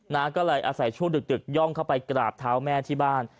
ก็เลยอาศัยช่วงดึกย่องเข้าไปกราบเท้าแม่ที่บ้าน